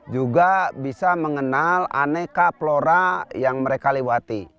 juga bisa mengenal aneka flora yang mereka lewati